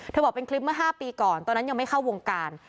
บอกเป็นคลิปเมื่อ๕ปีก่อนตอนนั้นยังไม่เข้าวงการ